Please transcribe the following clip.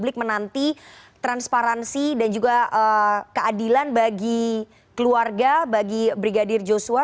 bagaimana kita menjaga keamanan keamanan dari keluarga dan juga keadilan bagi keluarga bagi brigadir joshua